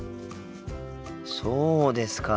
そうですか。